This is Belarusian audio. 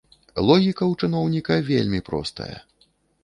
Логіка ў чыноўніка вельмі простая.